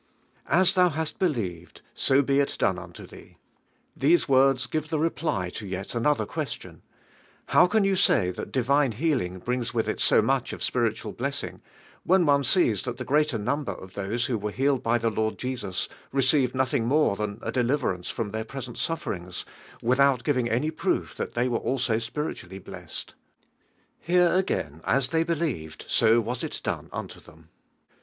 "As thon hast believed, so be it done unto thee. Jt These words give the reply to yet another question : How can yon say that divine healing brings with if so much of spiritual blessing, when one sees that the greater number of those who were healed by the Lord Jesus received noth ing more than a deliverance from their present sufferings, without giving any proof that they were also spiritually blest? Here again, as they believed, so was it done unto them.